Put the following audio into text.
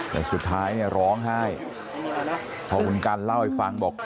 แต่สุดท้ายเนี่ยร้องไห้พอคุณกันเล่าให้ฟังบอก